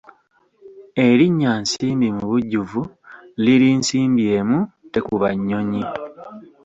Erinnya Nsimbi mubujjuvu liri Nsimbi emu tekuba nnyonyi.